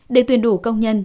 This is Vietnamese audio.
để tuyển đủ công nhân